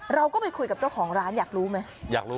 เราก็ไปคุยกับเจ้าของร้านอยากรู้มั้ย